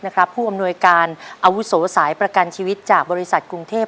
ผู้อำนวยการอาวุโสสายประกันชีวิตจากบริษัทกรุงเทพ